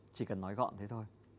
chỉ cần nói gọn thế thôi